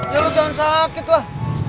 ya lu jangan sakit lah